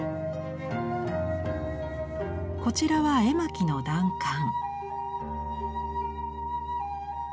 こちらは絵巻の断簡。